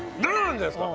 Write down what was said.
じゃないですか